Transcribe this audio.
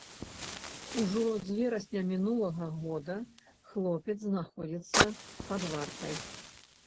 Ужо з верасня мінулага года хлопец знаходзіцца пад вартай.